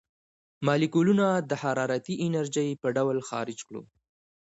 مالیکولونه د حرارتي انرژۍ په ډول خارج کړو.